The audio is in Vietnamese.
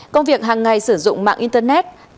công việc hàng ngày sử dụng mạng internet